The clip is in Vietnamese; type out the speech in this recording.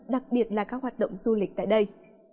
đặc biệt là các hoạt động du lịch tại đây